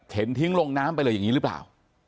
ทิ้งลงน้ำไปเลยอย่างนี้หรือเปล่า